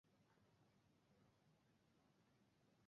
একটি ক্রীড়া দল হাত ধরাধরি করে দাঁড়িয়ে আছে।